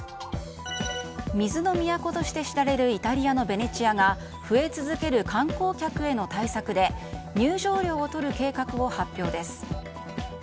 水の都として知られるイタリアのベネチアが増え続ける観光客への対策で入場料を取る計画を発表です。